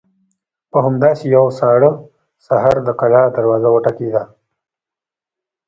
په همداسې يوه ساړه سهار د کلا دروازه وټکېده.